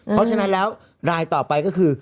เพราะฉะนั้นแล้วรายต่อไปก็คือ